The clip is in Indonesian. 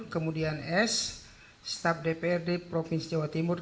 kemudian s staf dprd provinsi jawa timur